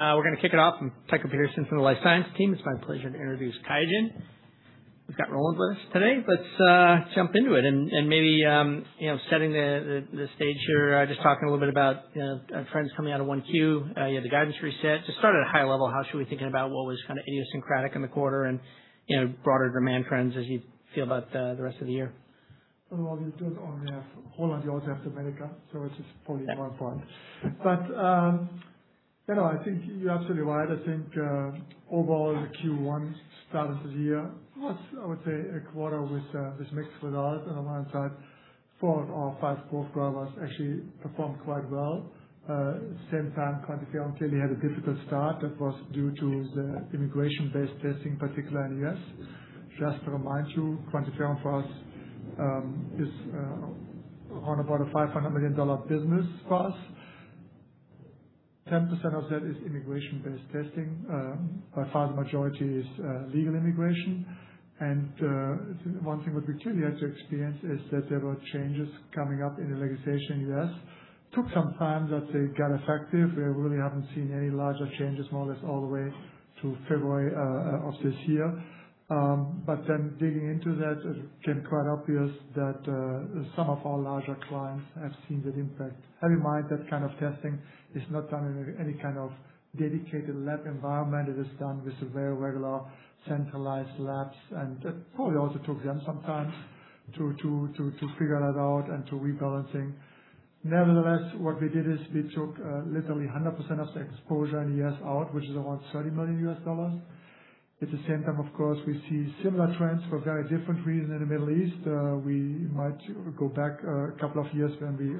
We're going to kick it off from Tycho Peterson from the life science team. It's my pleasure to introduce QIAGEN. We've got Roland with us today. Let's jump into it and maybe, setting the stage here, just talking a little bit about trends coming out of Q1. You had the guidance reset. Just start at a high level. How should we be thinking about what was kind of idiosyncratic in the quarter and broader demand trends as you feel about the rest of the year? Well, we do it on Holland, you also have U.S. It is probably one point. I think you're absolutely right. I think, overall, the Q1 start of the year was, I would say, a quarter with mixed results. On the one side, four or five growth drivers actually performed quite well. Same time, QuantiFERON clearly had a difficult start that was due to the immigration-based testing, particularly in the U.S. Just to remind you, QuantiFERON for us is around about a $500 million business for us. 10% of that is immigration-based testing. By far, the majority is legal immigration. One thing what we clearly had to experience is that there were changes coming up in the legislation in the U.S. It took some time that they got effective. We really haven't seen any larger changes, more or less, all the way to February of this year. Digging into that, it became quite obvious that some of our larger clients have seen that impact. Have in mind, that kind of testing is not done in any kind of dedicated lab environment. It is done with very regular centralized labs, and that probably also took them some time to figure that out and to rebalancing. Nevertheless, what we did is we took literally 100% of the exposure in the U.S. out, which is around $30 million. At the same time, of course, we see similar trends for very different reasons in the Middle East. We might go back a couple of years when we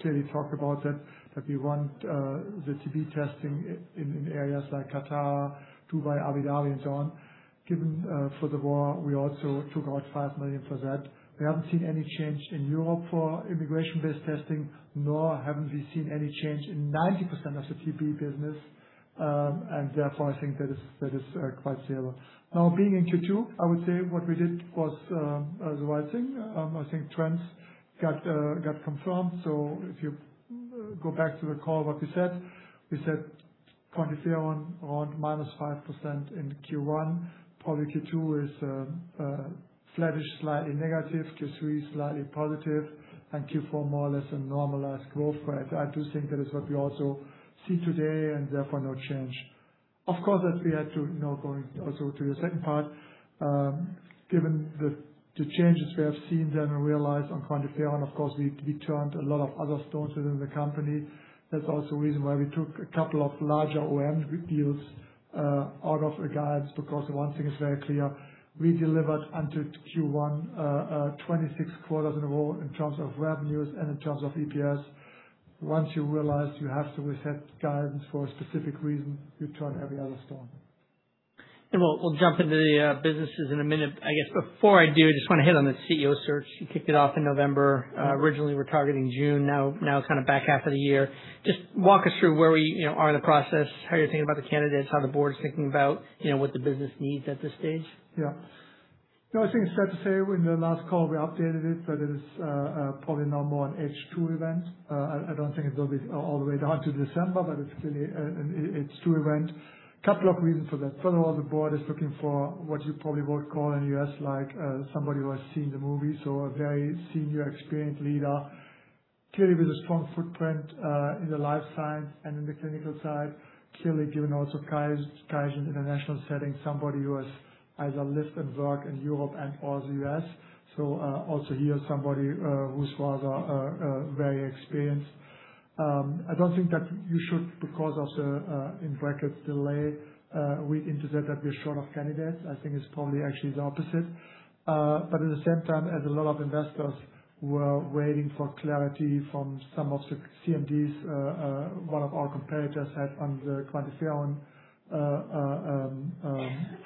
clearly talked about that we want the TB testing in areas like Qatar, Dubai, Abu Dhabi, and so on. Given for the war, we also took out $5 million for that. We haven't seen any change in Europe for immigration-based testing, nor have we seen any change in 90% of the TB business. Therefore, I think that is quite stable. Being in Q2, I would say what we did was the right thing. I think trends got confirmed. If you go back to the call, what we said, we said QuantiFERON around -5% in Q1. Probably Q2 is flattish, slightly negative, Q3 slightly positive, and Q4 more or less a normalized growth rate. I do think that is what we also see today, and therefore no change. As we had to, going also to your second part, given the changes we have seen then and realized on QuantiFERON, of course, we turned a lot of other stones within the company. That's also the reason why we took a couple of larger OEM deals out of the guides. One thing is very clear, we delivered until Q1, 26 quarters in a row in terms of revenues and in terms of EPS. Once you realize you have to reset guidance for a specific reason, you turn every other stone. We'll jump into the businesses in a minute. I guess before I do, just want to hit on the CEO search. You kicked it off in November. Originally, we're targeting June, now it's kind of back half of the year. Just walk us through where we are in the process, how you're thinking about the candidates, how the board is thinking about what the business needs at this stage? Yeah. No, I think it's fair to say, in the last call we updated it, but it is probably now more an H2 event. I don't think it will be all the way down to December, but it's clearly an H2 event. Couple of reasons for that. First of all, the board is looking for what you probably would call in the U.S. like somebody who has seen the movie. A very senior, experienced leader, clearly with a strong footprint, in the life science and in the clinical side. Clearly, given also QIAGEN's international setting, somebody who has either lived and worked in Europe and/or the U.S. Also here, somebody who's rather very experienced. I don't think that you should, because of the, in brackets, delay, read into that we are short of candidates. I think it's probably actually the opposite. At the same time, as a lot of investors were waiting for clarity from some of the CMDs, one of our competitors had on the QuantiFERON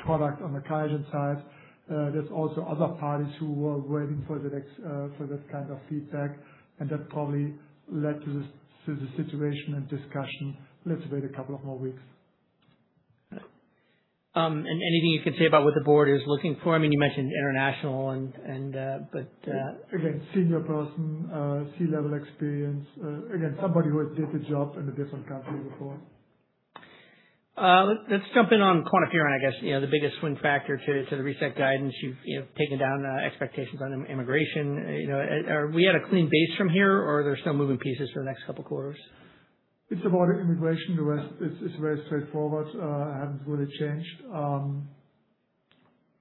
product on the QIAGEN side. There's also other parties who were waiting for that kind of feedback. That probably led to the situation and discussion. Let's wait a couple of more weeks. Anything you can say about what the board is looking for? Again, senior person, C-level experience. Again, somebody who has did the job in a different company before. Let's jump in on QuantiFERON, I guess, the biggest wind factor to the reset guidance. You've taken down the expectations on immigration. Are we at a clean base from here, or are there still moving pieces for the next couple quarters? It's about immigration to U.S. It's very straightforward. I haven't really changed.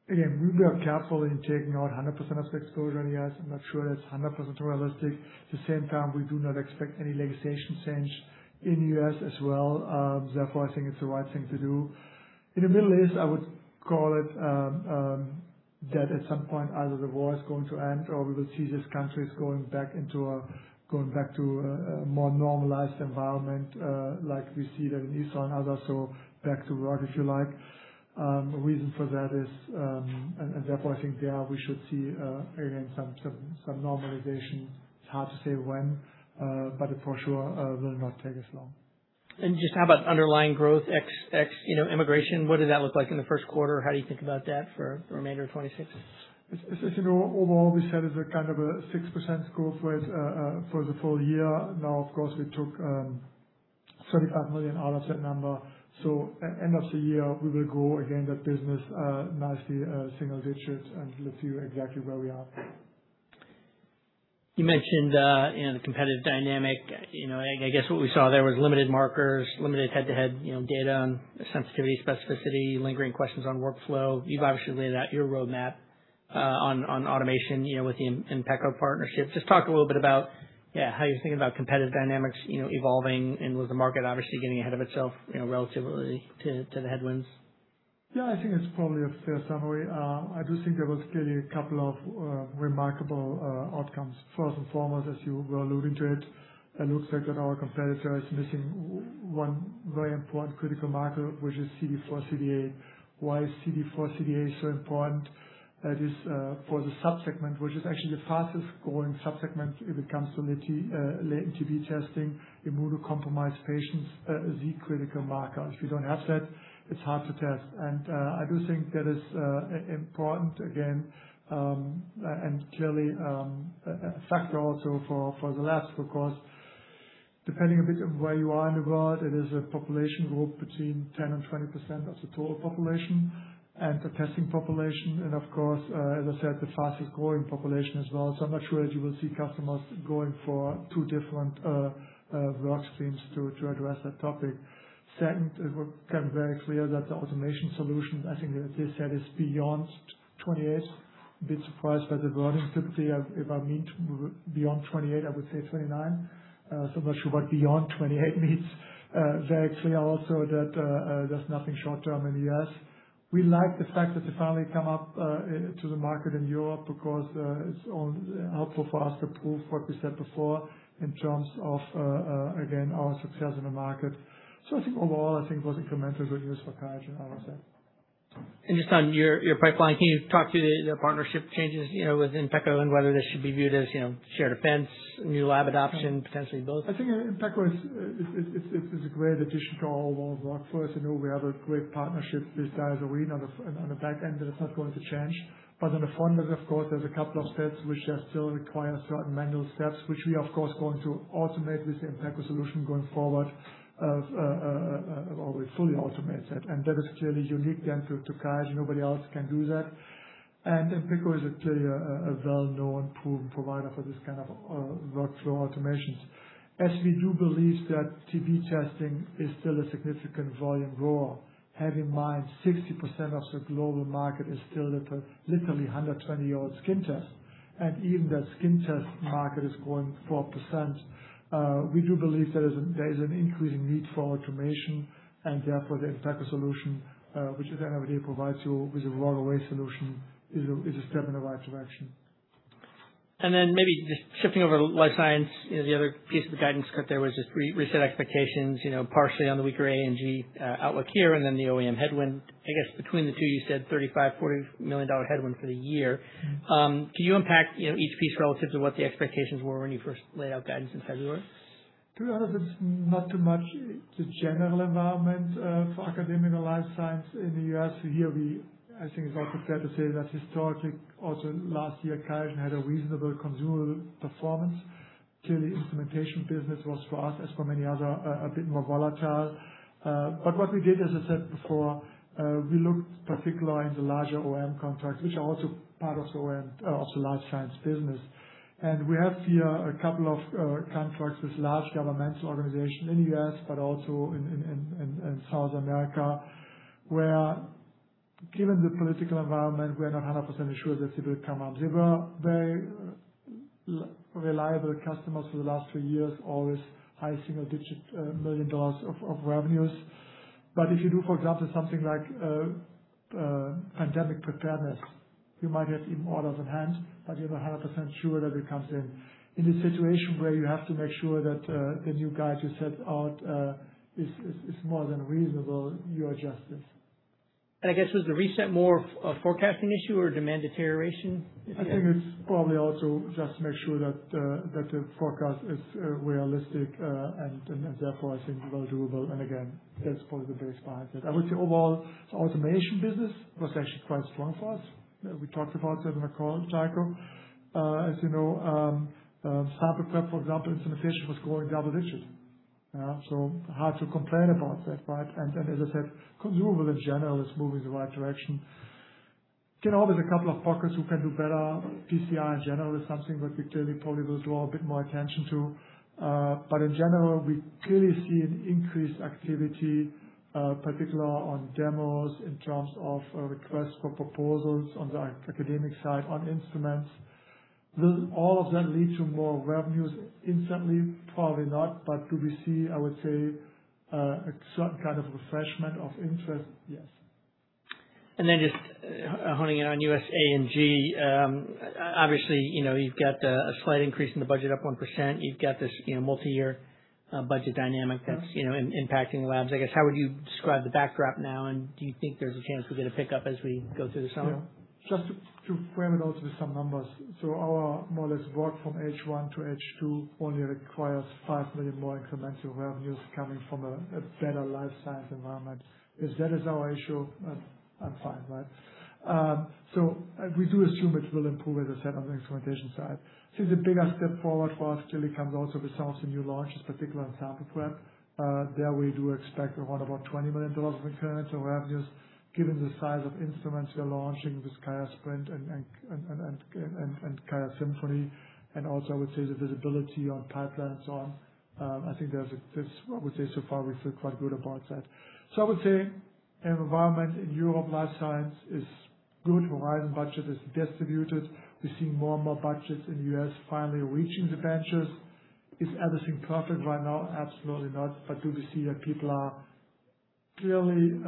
We were careful in taking out 100% of the exposure in the U.S. I'm not sure that's 100% realistic. We do not expect any legislation change in the U.S. as well. I think it's the right thing to do. In the Middle East, I would call it that at some point, either the war is going to end or we will see these countries going back to a more normalized environment, like we see there in Israel and others. Back to work, if you like. Reason for that is, and therefore, I think there we should see, again, some normalization. It's hard to say when, but for sure, will not take as long. Just how about underlying growth ex immigration, what did that look like in the first quarter? How do you think about that for the remainder of 2026? As you know, overall, we said it's a kind of a 6% growth rate for the full year. Now, of course, we took $35 million out of that number. At end of the year, we will grow again that business nicely, single digits, and let's see exactly where we are. You mentioned the competitive dynamic. I guess what we saw there was limited markers, limited head-to-head data on sensitivity, specificity, lingering questions on workflow. You've obviously laid out your roadmap on automation with the Inpeco partnership. Just talk a little bit about how you're thinking about competitive dynamics evolving and with the market obviously getting ahead of itself relatively to the headwinds. Yeah, I think it's probably a fair summary. I do think there was clearly a couple of remarkable outcomes. First and foremost, as you were alluding to it looks like that our competitor is missing one very important critical marker, which is CD4, CD8. Why is CD4, CD8 so important? That is for the subsegment, which is actually the fastest-growing subsegment. If it comes to latent TB testing in immunocompromised patients, the critical marker. If you don't have that, it's hard to test. I do think that is important, again, and clearly a factor also for the labs, because depending a bit on where you are in the world, it is a population group between 10% and 20% of the total population and the testing population. Of course, as I said, the fastest-growing population as well. I'm not sure that you will see customers going for two different work streams to address that topic. Second, it became very clear that the automation solution, I think, as they said, is beyond 28. A bit surprised by the wording. Typically, if I mean beyond 28, I would say 29. I'm not sure what beyond 28 means. Very clear also that there's nothing short-term in the U.S. We like the fact that they finally come up to the market in Europe because it's helpful for us to prove what we said before in terms of, again, our success in the market. I think overall, I think it was incremental good news for QIAGEN, I would say. Just on your pipeline, can you talk to the partnership changes with Inpeco and whether this should be viewed as shared defense, new lab adoption, potentially both? I think Inpeco is a great addition to our overall workflow. As you know, we have a great partnership with DiaSorin on the back end, that is not going to change. On the front end, of course, there's a couple of steps which still require certain manual steps, which we, of course, going to automate with the Inpeco solution going forward or we fully automate that. That is clearly unique then to QIAGEN. Nobody else can do that. Inpeco is clearly a well-known, proven provider for this kind of workflow automations. As we do believe that TB testing is still a significant volume grower, have in mind 60% of the global market is still literally 120-year-old skin test. Even that skin test market is growing 4%. We do believe there is an increasing need for automation, and therefore the Inpeco solution which [the partnership] provides you with a walk-away solution is a step in the right direction. Maybe just shifting over to life science, the other piece of the guidance cut there was this reset expectations partially on the weaker A&G outlook here and then the OEM headwind. Between the two, you said $35 million, $40 million headwind for the year. Can you unpack each piece relative to what the expectations were when you first laid out guidance in February? To be honest, it's not too much. It's a general environment for academic life science in the U.S. Here, I think it's also fair to say that historically, also last year, QIAGEN had a reasonable consumable performance. Clearly, implementation business was for us, as for many other, a bit more volatile. What we did, as I said before, we looked particular in the larger OEM contracts, which are also part of the life science business. We have here a couple of contracts with large governmental organizations in the U.S., but also in South America, where given the political environment, we are not 100% sure that it will come out. They were very reliable customers for the last few years, always high single digit million-dollars of revenues. If you do, for example, something like pandemic preparedness, you might have even orders in hand, but you're not 100% sure that it comes in. In a situation where you have to make sure that the new guidance set out is more than reasonable, you adjust it. I guess, was the reset more a forecasting issue or demand deterioration? I think it's probably also just to make sure that the forecast is realistic and therefore I think, well, doable. Again, that's probably the base behind it. I would say overall, the automation business was actually quite strong for us. We talked about that in the call, Heiko. As you know, sample prep, for example, instrumentation, was growing double digits. Hard to complain about that, right? As I said, consumable in general is moving in the right direction. There's a couple of pockets who can do better. PCR, in general, is something that we clearly probably will draw a bit more attention to. In general, we clearly see an increased activity, particular on demos, in terms of requests for proposals on the academic side, on instruments. Will all of that lead to more revenues instantly? Probably not. Do we see, I would say, a certain kind of refreshment of interest? Yes. Just honing in on U.S. A&G. Obviously, you've got a slight increase in the budget, up 1%. You've got this multi-year budget dynamic that's impacting labs. I guess, how would you describe the backdrop now, and do you think there's a chance we'll get a pickup as we go through the summer? Just to frame it out with some numbers. Our more or less work from H1 to H2 only requires $5 million more incremental revenues coming from a better life science environment. If that is our issue, I'm fine. We do assume it will improve, as I said, on the instrumentation side. The bigger step forward for us clearly comes also with some of the new launches, particularly on sample prep. There we do expect around about $20 million of incremental revenues, given the size of instruments we are launching with QIAsprint and QIAsymphony, and also, I would say the visibility on pipeline and so on. I think I would say so far we feel quite good about that. I would say in environment in Europe, Horizon budget is distributed. We're seeing more and more budgets in the U.S. finally reaching the benches. Is everything perfect right now? Absolutely not. Do we see that people are clearly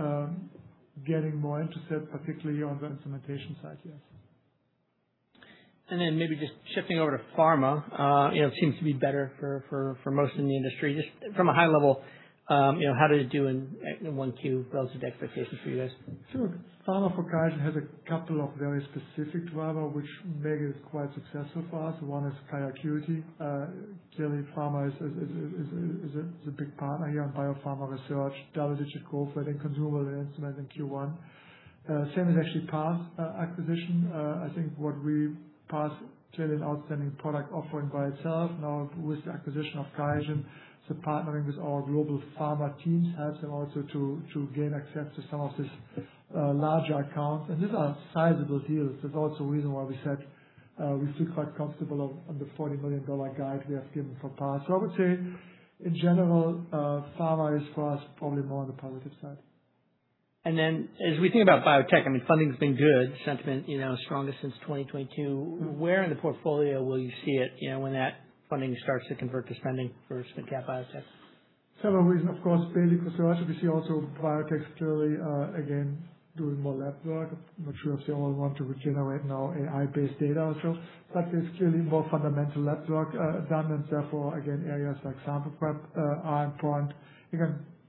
getting more interested, particularly on the instrumentation side? Yes. Maybe just shifting over to pharma. Seems to be better for most in the industry. Just from a high level, how did it do in Q1 relative to expectations for you guys? Sure. pharma for QIAGEN has a couple of very specific driver, which make it quite successful for us. One is QIAcuity. Clearly pharma is a big partner here on biopharma research, double-digit growth I think consumable and instrument in Q1. Same is actually Parse acquisition. I think what we Parse clearly an outstanding product offering by itself. Now with the [QIAGEN's acquisition of Parse Biosciences], partnering with our global pharma teams helps in order to gain access to some of this larger accounts. These are sizable deals. That's also the reason why we said, we feel quite comfortable on the $40 million guide we have given for Parse. I would say, in general, pharma is for us probably more on the positive side. As we think about biotech, funding's been good, sentiment strongest since 2022. Where in the portfolio will you see it, when that funding starts to convert to spending for mid-cap biotech? Several reasons, of course, daily procedures. We see also the biotechs clearly, again, doing more lab work, I'm not sure if they all want to regenerate now AI-based data also. There's clearly more fundamental lab work done, and therefore again, areas like sample prep are important.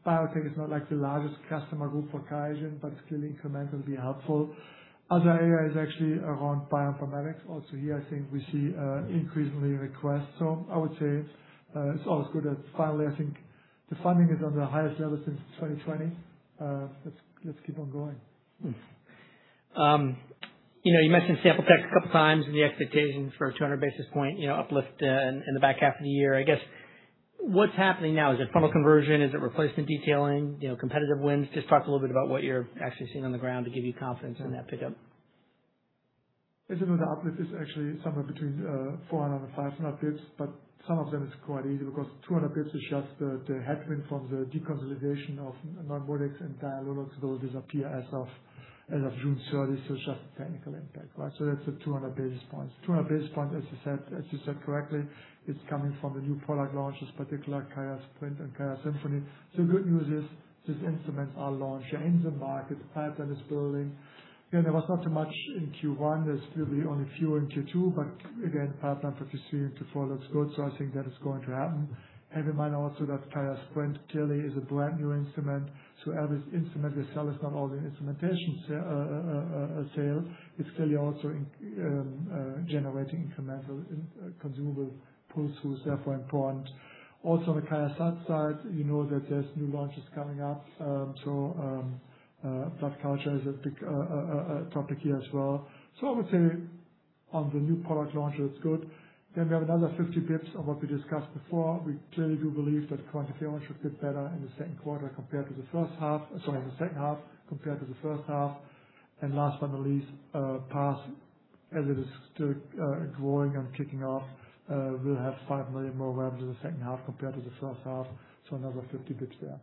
Biotech is not the largest customer group for QIAGEN, but still incremental will be helpful. Other area is actually around bioinformatics. Here, I think we see increasingly requests. I would say, it's always good. Finally, I think the funding is on the highest level since 2020. Let's keep on going. You mentioned Sample tech a couple of times and the expectations for 200 basis point uplift in the back half of the year. I guess, what's happening now? Is it funnel conversion? Is it replacement detailing, competitive wins? Just talk a little bit about what you're actually seeing on the ground to give you confidence in that pickup. As you know the uplift is actually somewhere between 400 and 500 basis points, some of them it's quite easy because 200 basis points is just the headwind from the deconsolidation of non-COVID and diagnostics. Those disappear as of June 30. It's just a technical impact. That's the 200 basis points. 200 basis points, as you said correctly, is coming from the new product launches, particular QIAsprint Connect and QIAsymphony Connect. The good news is these instruments are launched. They're in the market. The pipeline is building. There was not so much in Q1. There's clearly only a few in Q2, but again, pipeline for Q3 and Q4 looks good. I think that is going to happen. Have in mind also that QIAsprint Connect clearly is a brand new instrument. Every instrument we sell is not only an instrumentation sale, it's clearly also generating incremental consumable pull through, so therefore important. On the QIAsymphony side, you know that there's new launches coming up. Blood culture is a big topic here as well. I would say on the new product launch, that's good. We have another 50 basis points on what we discussed before. We clearly do believe that quantitative PCR should get better in the second half compared to the first half. Last but not least, Parse as it is still growing and kicking off, we'll have $5 million more revenues in the second half compared to the first half. Another 50 basis points there.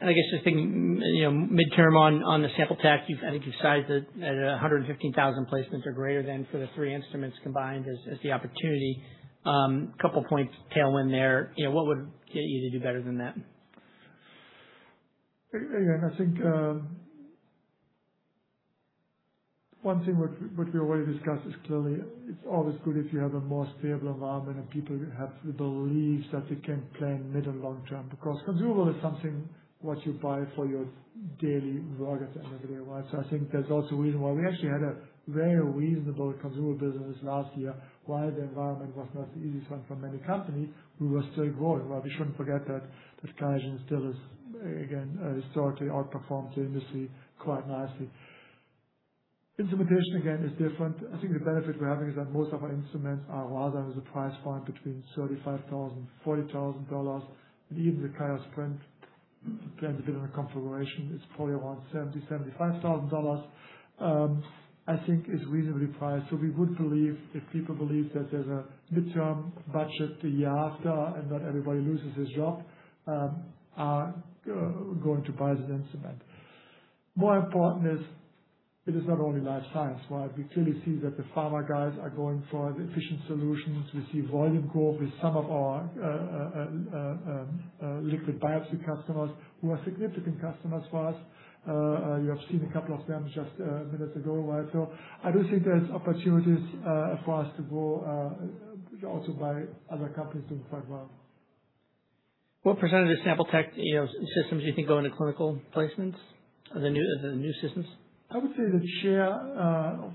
I guess just thinking, midterm on the Sample tech, I think you've sized it at 115,000 placements or greater than for the three instruments combined as the opportunity. Couple points tailwind there. What would get you to do better than that? I think one thing what we already discussed is clearly it's always good if you have a more stable environment and people have the beliefs that they can plan middle long-term. Consumable is something what you buy for your daily work at the end of the day. I think there's also a reason why we actually had a very reasonable consumable business last year, while the environment was not the easiest one for many companies, we were still growing. We shouldn't forget that QIAGEN still is again, historically outperformed the industry quite nicely. Instrumentation, again, is different. I think the benefit we're having is that most of our instruments are rather the price point between $35,000, $40,000. Even the QIAsprint Connect, depends a bit on the configuration, it's probably around $70,000, $75,000. I think it's reasonably priced. We would believe if people believe that there's a midterm budget the year after and not everybody loses his job, are going to buy the instrument. More important is it is not only life science, right? We clearly see that the pharma guys are going for the efficient solutions. We see volume growth with some of our liquid biopsy customers who are significant customers for us. You have seen a couple of them just minutes ago. I do think there's opportunities for us to grow, also by other companies doing quite well. What % of Sample tech systems do you think go into clinical placements of the new systems? I would say the share of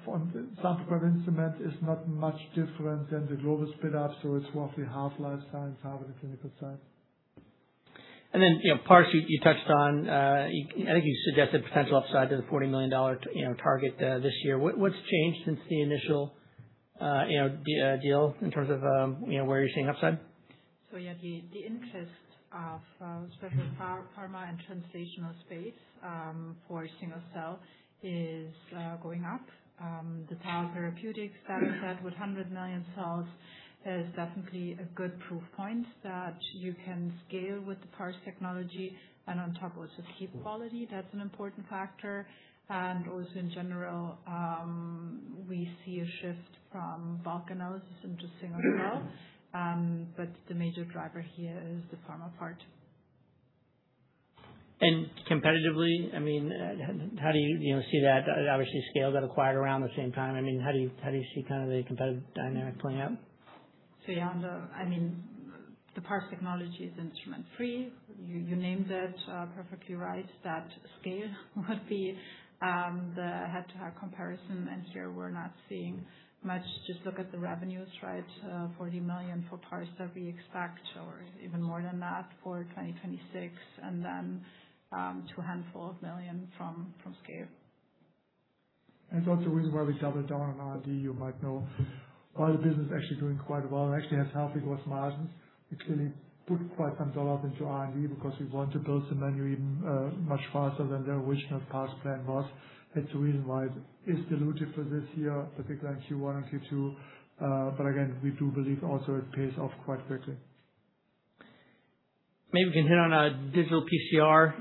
Sample prep instrument is not much different than the global split up. It's roughly half life science, half of the clinical side. Parse, you touched on, I think you suggested potential upside to the $40 million target this year. What's changed since the initial deal in terms of where you're seeing upside? Yeah, the interest of pharma and translational space, for single cell is going up. The biotherapeutics data set with 100 million cells is definitely a good proof point that you can scale with the Parse technology. On top also, key quality, that's an important factor. Also, in general, we see a shift from bulk analysis into single cell. The major driver here is the pharma part. Competitively, how do you see that? Obviously, ScaleBio that acquired around the same time. How do you see the competitive dynamic playing out? Yeah, the Parse technology is instrument-free. You named it perfectly right, that ScaleBio would be the head-to-head comparison, and here we're not seeing much. Just look at the revenues, right? $40 million for Parse that we expect or even more than that for 2026, and then to a handful of million from ScaleBio. That's the reason why we doubled down on R&D, you might know. While the business is actually doing quite well, it actually has healthy gross margins, we clearly put quite some dollars into R&D because we want to build the menu even much faster than the original Parse plan was. It's the reason why it's dilutive for this year, particularly in Q1 and Q2. Again, we do believe also it pays off quite quickly. Maybe we can hit on digital PCR.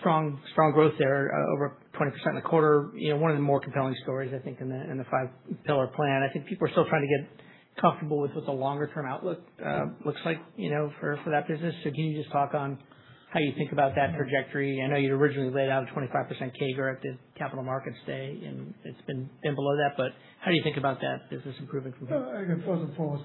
Strong growth there, over 20% in the quarter. One of the more compelling stories, I think, in the five-pillar plan. I think people are still trying to get comfortable with what the longer-term outlook looks like for that business. Can you just talk on how you think about that trajectory? I know you'd originally laid out a 25% CAGR at the Capital Markets Day, and it's been below that, but how do you think about that business improving from here? First and foremost,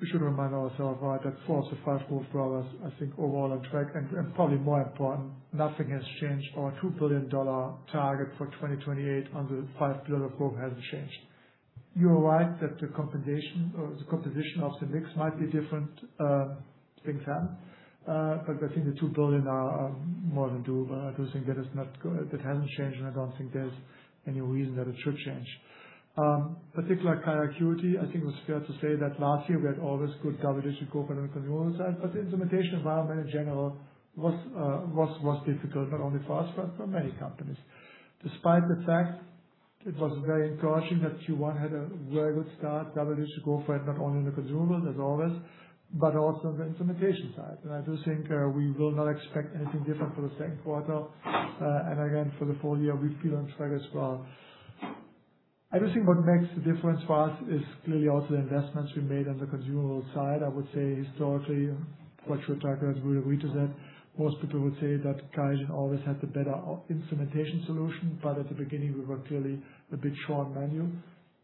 we should remind ourselves that four of the five growth drivers, I think, are overall on track, and probably more important, nothing has changed. Our $2 billion target for 2028 under five pillar of growth hasn't changed. You are right that the composition of the mix might be different things then. I think the $2 billion are more than doable. I do think that hasn't changed, and I don't think there's any reason that it should change. Particular QIAcuity, I think it was fair to say that last year we had all this good coverage with co-promotional side, but the implementation environment, in general, was difficult, not only for us, but for many companies. Despite the fact, it was very encouraging that Q1 had a very good start. W is to go for it, not only in the consumable as always, but also on the implementation side. I do think we will not expect anything different for the second quarter. Again, for the full year, we feel on track as well. I do think what makes the difference for us is clearly all the investments we made on the consumable side. I would say historically, what you would track and really reach is that most people would say that QIAGEN always had the better implementation solution. At the beginning, we were clearly a bit short on menu.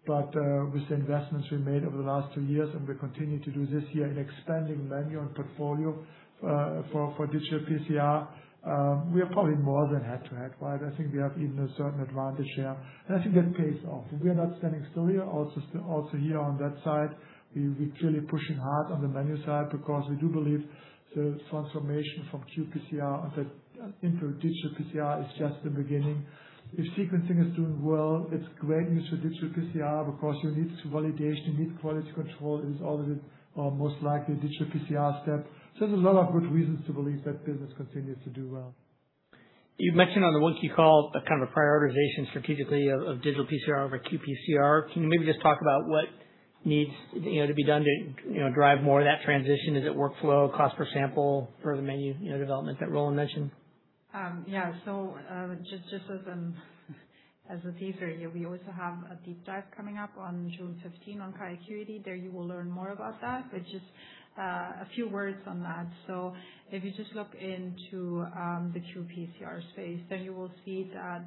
With the investments we made over the last two years, and we continue to do this year in expanding menu and portfolio, for digital PCR, we are probably more than head-to-head, right? I think we have even a certain advantage here. I think that pays off. We are not standing still here. Also here on that side, we're clearly pushing hard on the menu side because we do believe the transformation from qPCR into digital PCR is just the beginning. If sequencing is doing well, it's great news for digital PCR because you need validation, you need quality control is always most likely digital PCR step. There's a lot of good reasons to believe that business continues to do well. You mentioned on the Q1 call a kind of a prioritization strategically of digital PCR over qPCR. Can you maybe just talk about what needs to be done to drive more of that transition? Is it workflow, cost per sample, further menu development that Roland mentioned? Yeah. Just as a teaser here, we also have a deep dive coming up on June 15 on QIAcuity. There you will learn more about that. Just a few words on that. If you just look into the qPCR space, then you will see that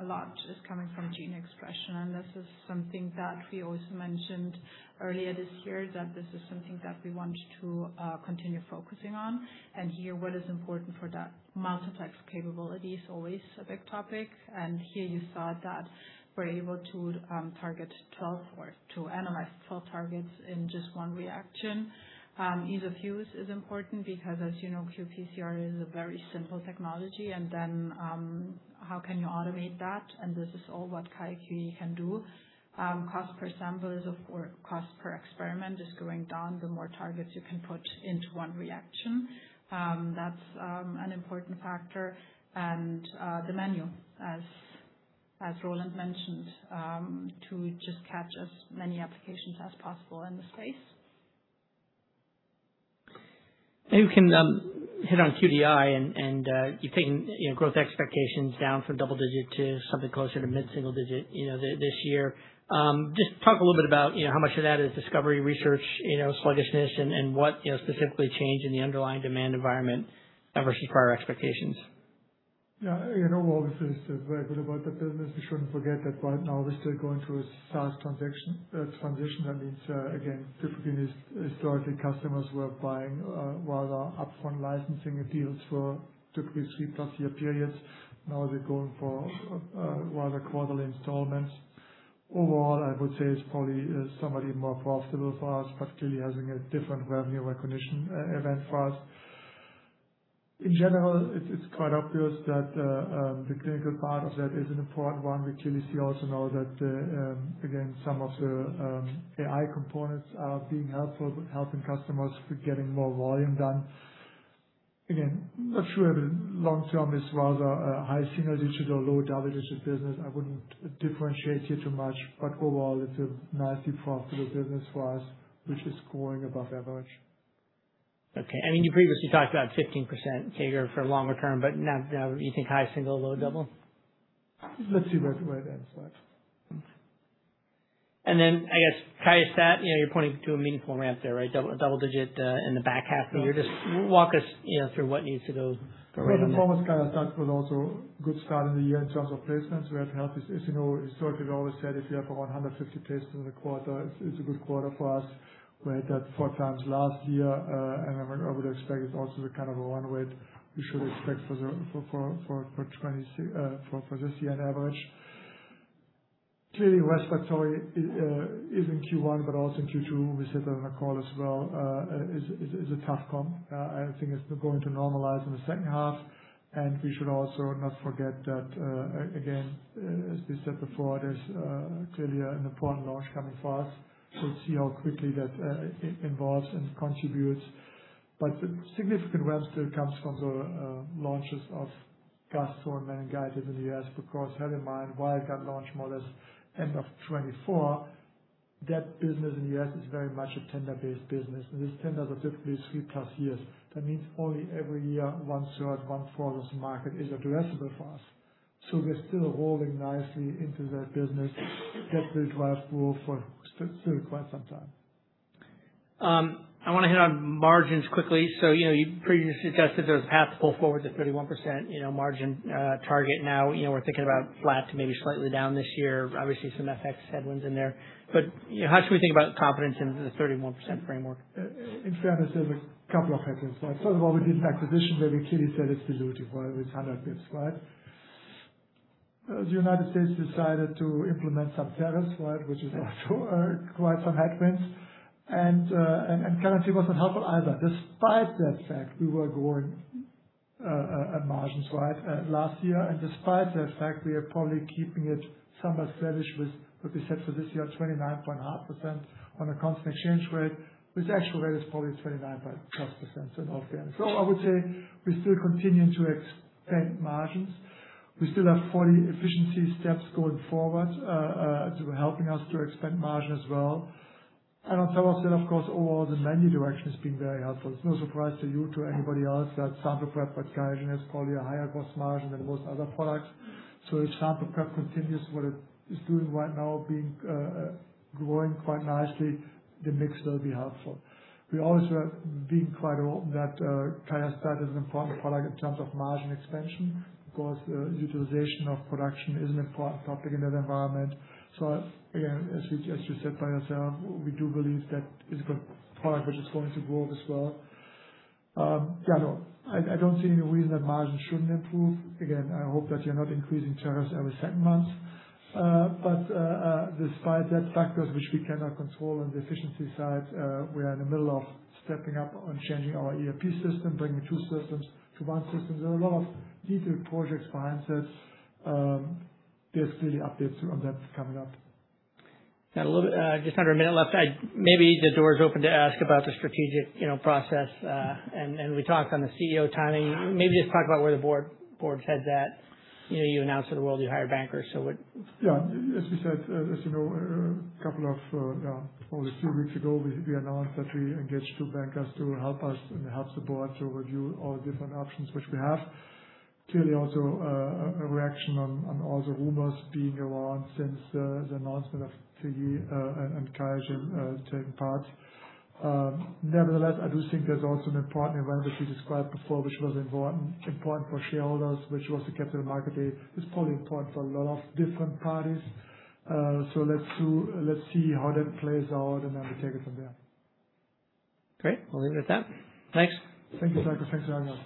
a lot is coming from gene expression. This is something that we also mentioned earlier this year that this is something that we want to continue focusing on. Here, what is important for that multi-type capability is always a big topic. Here you saw that we're able to target 12 or to analyze 12 targets in just one reaction. Ease of use is important because as you know, qPCR is a very simple technology, and then how can you automate that? This is all what QIAcuity can do. Cost per experiment is going down the more targets you can put into one reaction. That's an important factor. The menu, as Roland mentioned, to just catch as many applications as possible in the space. Maybe we can hit on QDI and you've taken growth expectations down from double-digit to something closer to mid-single-digit this year. Just talk a little bit about how much of that is discovery, research, sluggishness and what specifically changed in the underlying demand environment versus prior expectations? Obviously, it's very good about the business. We shouldn't forget that right now we're still going through a SaaS transition. Means, again, typically, historically, customers were buying rather upfront licensing deals for typically 3+ year periods. They're going for rather quarterly installments. I would say it's probably somewhat even more profitable for us, but clearly having a different revenue recognition event for us. It's quite obvious that the clinical part of that is an important one, which clearly see also now that, again, some of the AI components are being helpful with helping customers with getting more volume done. Not sure the long term is rather a high single digit or low double digit business. I wouldn't differentiate here too much, it's a nicely profitable business for us, which is scoring above average. Okay. You previously talked about 15% CAGR for longer term, but now you think high single, low double? Let's see where the weather slides. I guess, QIAstat-Dx, you're pointing to a meaningful ramp there, right? Double digit in the back half of the year. Just walk us through what needs to go right on that. Well, the performance guide I thought was also a good start in the year in terms of placements. We have had this, as you know, historically, always said if you have around 150 places in the quarter, it's a good quarter for us. We had that four times last year, and I would expect it's also the kind of a run rate we should expect for this year on average. Clearly, respiratory is in Q1, but also in Q2. We said that on the call as well. It's a tough comp. I think it's going to normalize in the second half, and we should also not forget that, again, as we said before, there's clearly an important launch coming for us. We'll see how quickly that involves and contributes. The significant ramp still comes from the launches of QIAstat-Dx for Meningitis in the U.S., because, have in mind, while it got launched more or less end of 2024, that business in the U.S. is very much a tender-based business, and these tenders are typically 3+ years. That means only every year 1/3, 1/4 of this market is addressable for us. We're still rolling nicely into that business. That will drive growth for still quite some time. You previously suggested there was a path to pull forward to 31% margin target. Now, we're thinking about flat to maybe slightly down this year. Obviously, some FX headwinds in there. How should we think about confidence in the 31% framework? In fairness, there was a couple of headwinds. First of all, we did an acquisition where we clearly said it's dilutive, right, with 100 basis points, right? The United States decided to implement some tariffs which is also quite some headwinds. Currency wasn't helpful either. Despite that fact, we were growing, margins last year. Despite that fact, we are probably keeping it somewhat steady with what we said for this year, 29.5% on a constant exchange rate. This actual rate is probably 29+%, so north. I would say we're still continuing to expand margins. We still have 40 efficiency steps going forward to helping us to expand margin as well. On top of that, of course, overall, the menu direction has been very helpful. It's no surprise to you, to anybody else, that sample prep at QIAGEN is probably a higher cost margin than most other products. If sample prep continues what it is doing right now, growing quite nicely, the mix will be helpful. We also have been quite open that QIAstat-Dx is an important product in terms of margin expansion, because utilization of production is an important topic in that environment. Again, as you said by yourself, we do believe that is a good product which is going to grow as well. I don't see any reason that margins shouldn't improve. Again, I hope that you're not increasing tariffs every second month. Despite that factors which we cannot control on the efficiency side, we are in the middle of stepping up on changing our ERP system, bringing two systems to one system. There are a lot of detailed projects behind this. There's clearly updates on that coming up. Got just under a minute left. Maybe the door is open to ask about the strategic process. We talked on the CEO timing. Maybe just talk about where the board's head's at. You announced to the world you hired bankers. Yeah. As we said, a couple of, probably two weeks ago, we announced that we engaged two bankers to help us and help the board to review all the different options which we have. Also a reaction on all the rumors being around since the announcement of the CEO and QIAGEN taking part. I do think there's also an important event which we described before, which was important for shareholders, which was the Capital Markets Day. It's probably important for a lot of different parties. Let's see how that plays out, and then we take it from there. Great. We'll leave it at that. Thanks. Thank you, Tycho. Thanks for having us.